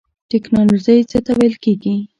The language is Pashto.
ټیکنالوژی څه ته ویل کیږی؟